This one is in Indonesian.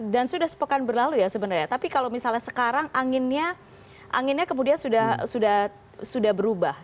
dan sudah sepekan berlalu ya sebenarnya tapi kalau misalnya sekarang anginnya kemudian sudah berubah